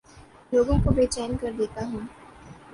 لوگوں کو بے چین کر دیتا ہوں